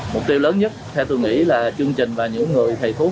mục tiêu lớn nhất theo tôi nghĩ là chương trình và những người thầy thuốc